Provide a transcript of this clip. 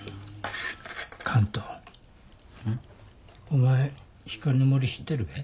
お前光の森知ってるべ？